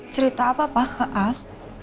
cerita apa pak ke al